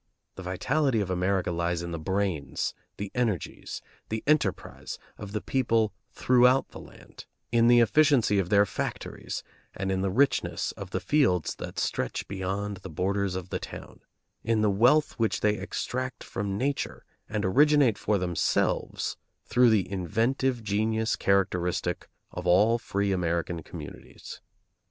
The vitality of America lies in the brains, the energies, the enterprise of the people throughout the land; in the efficiency of their factories and in the richness of the fields that stretch beyond the borders of the town; in the wealth which they extract from nature and originate for themselves through the inventive genius characteristic of all free American communities.